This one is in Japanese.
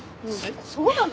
そうなの？